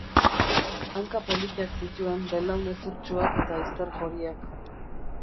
Hanka politak zituen, belaun hezurtsuak eta izter joriak.